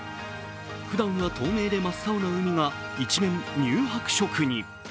ふだんは透明で真っ青な海が一面、乳白色に。